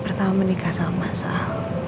pertama menikah sama masalah